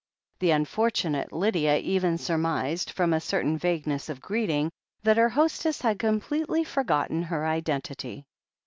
The unfortunate Lydia even surmised, from a certain vagueness of greeting, that her hostess had completely forgotten her identity.